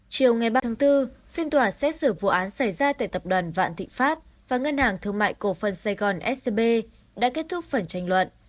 chiều ngày ba tháng bốn phiên tòa xét xử vụ án xảy ra tại tập đoàn vạn thị pháp và ngân hàng thương mại cổ phần sài gòn scb đã kết thúc phần tranh luận